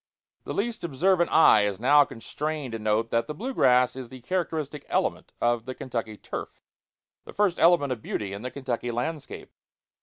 The least observant eye is now constrained to note that blue grass is the characteristic element of the Kentucky turf the first element of beauty in the Kentucky landscape.